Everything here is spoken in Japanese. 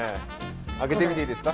開けてみていいですか？